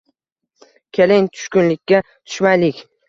Keling, tushkunlikka tushmaylik